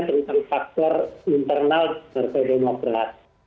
tentang faktor internal partai demokrat